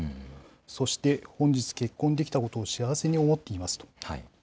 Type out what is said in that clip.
そして、本日結婚できたことを幸せに思っていますと。